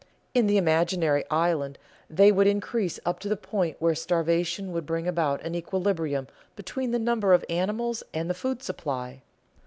In the imaginary island they would increase up to the point where starvation would bring about an equilibrium between the number of animals and the food supply.